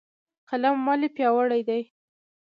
قلم ولې پیاوړی دی؟